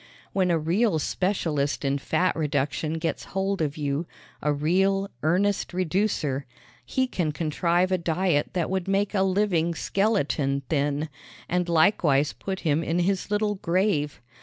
When a real specialist in fat reduction gets hold of you a real, earnest reducer he can contrive a diet that would make a living skeleton thin and likewise put him in his little grave.